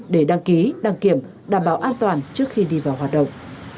để đăng ký đăng kiểm đảm bảo an toàn trước khi đi vào hoạt động